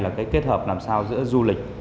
là cái kết hợp làm sao giữa du lịch